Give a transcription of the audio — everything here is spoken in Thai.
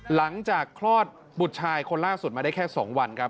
หลังจากคลอดบุตรชายคนล่าสุดมาได้แค่๒วันครับ